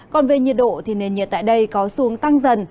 còn về nhiệt độ thì nền nhiệt tại đây có xu hướng tăng dần